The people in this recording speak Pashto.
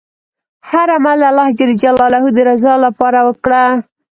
هر عمل د الله ﷻ د رضا لپاره وکړه.